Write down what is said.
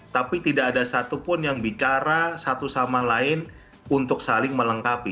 tapi tidak ada satupun yang bicara satu sama lain untuk saling melengkapi